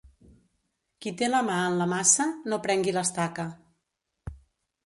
Qui té la mà en la maça, no prengui l'estaca.